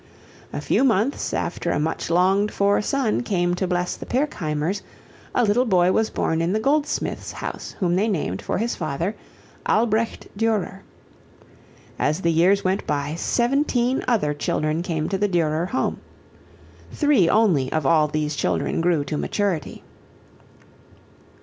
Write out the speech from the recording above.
A few months after a much longed for son came to bless the Pirkheimers, a little boy was born in the goldsmith's house whom they named, for his father, Albrecht Durer. As the years went by, seventeen other children came to the Durer home. Three only of all these children grew to maturity.